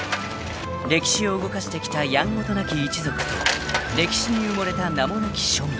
［歴史を動かしてきたやんごとなき一族と歴史に埋もれた名もなき庶民］